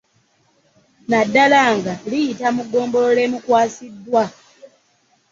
Naddala nga liyita mu ggombolola emukwasiddwa